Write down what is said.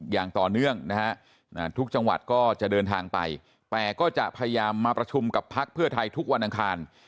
แต่ก็จะพยายามมาประชุมกับภัคพฤทธิ์ไทยทุกวันอ่างคาญ